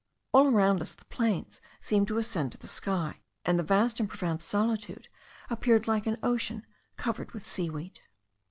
All around us the plains seemed to ascend to the sky, and the vast and profound solitude appeared like an ocean covered with sea weed.